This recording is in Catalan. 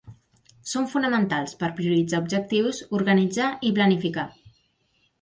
Són fonamentals per prioritzar objectius, organitzar i planificar.